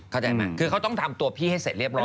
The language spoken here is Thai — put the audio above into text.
เข้าใจไหมคือเขาต้องทำตัวพี่ให้เสร็จเรียบร้อ